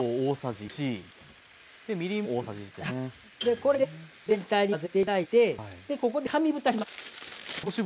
これで全体に混ぜて頂いてここで紙ぶたしましょう。